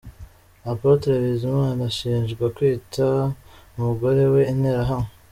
Apotre Bizimana ashinjwa kwita umugore we interahamwe.